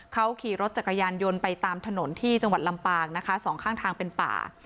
เขาขี่รถจักรยานยนต์ไปตามถนนที่จังหวัดลำปางนะคะสองข้างทางเป็นป่า